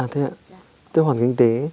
thế hoàn cảnh kinh tế